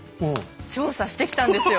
調査してきたんですよ。